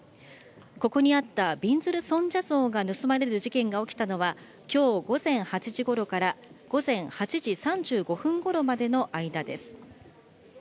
ここにあった、びんずる尊者像が盗まれる事件が起きたのは、きょう午前８時ごろから午前８時３５分ごろまでの間です。